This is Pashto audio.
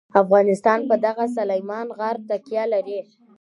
افغانستان په دغه سلیمان غر تکیه لري.